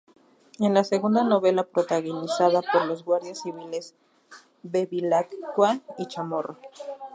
Es la segunda novela protagonizada por los guardias civiles Bevilacqua y Chamorro.